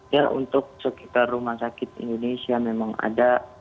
ya untuk sekitar rumah sakit indonesia memang ada